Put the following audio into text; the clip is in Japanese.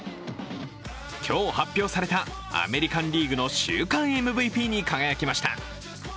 今日発表されたアメリカン・リーグの週間ＭＶＰに輝きました。